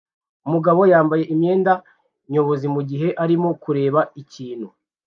Umugabo yambaye imyenda nyobozi mugihe arimo kureba ikintu